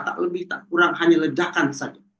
tapi kurang hanya ledakan saja